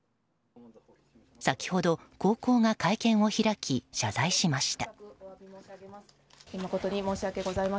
先ほど高校が会見を開き謝罪しました。